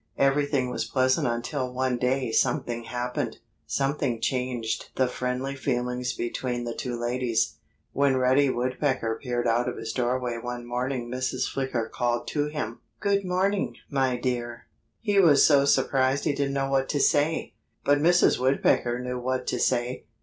Everything was pleasant until one day something happened. Something changed the friendly feelings between the two ladies. When Reddy Woodpecker peered out of his doorway one morning Mrs. Flicker called to him, "Good morning, my dear!" He was so surprised he didn't know what to say. But Mrs. Woodpecker knew what to say.